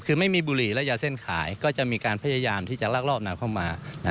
คือไม่มีบุหรี่และยาเส้นขายก็จะมีการพยายามที่จะลากรอบน้ำเข้ามา